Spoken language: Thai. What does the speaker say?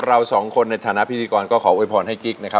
เรา๒คนในทางพิธีกรก็ขอเว้นให้กิ๊ก